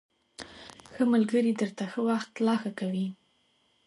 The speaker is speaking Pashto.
ښه ملگري درته ښه وخت لا ښه کوي